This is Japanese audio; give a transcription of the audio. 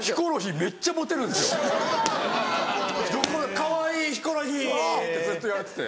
「かわいい！ヒコロヒー！」ってずっと言われてて。